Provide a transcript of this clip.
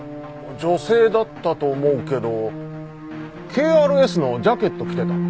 女性だったと思うけどＫＲＳのジャケット着てたな。